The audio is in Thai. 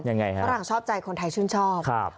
ยังไงครับฝรั่งชอบใจคนไทยชื่นชอบ